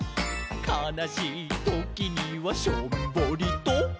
「かなしいときにはしょんぼりと」